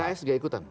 pks tidak ikutan